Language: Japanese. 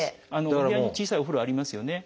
お部屋に小さいお風呂ありますよね